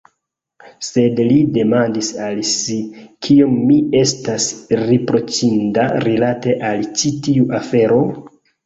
Sed, li demandis al si, kiom mi estas riproĉinda rilate al ĉi tiu afero?